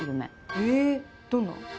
へえどんな？